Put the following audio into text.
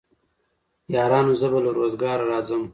يارانو زه به له روزګاره راځم